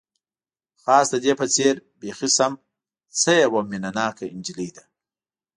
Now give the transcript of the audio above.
خاص د دې په څېر، بیخي سم، څه یوه مینه ناکه انجلۍ ده.